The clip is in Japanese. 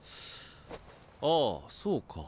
ああそうか。